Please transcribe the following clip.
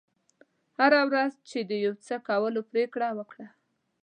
هره ورځ چې د یو څه کولو پرېکړه وکړه.